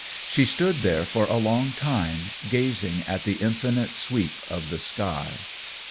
She stood there for a long time, gazing at the infinite sweep of the sky.